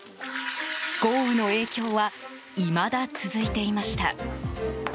豪雨の影響はいまだ続いていました。